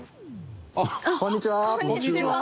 こんにちは。